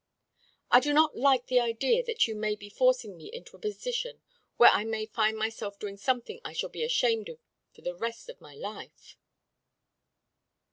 "I do not at all like the idea that you may be forcing me into a position where I may find myself doing something I shall be ashamed of for the rest of my life."